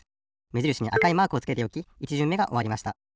めじるしにあかいマークをつけておき１じゅんめがおわりました。